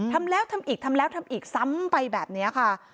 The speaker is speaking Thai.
ทำแล้วทำอีกทำแล้วทำอีกซ้ำไปแบบนี้ค่ะ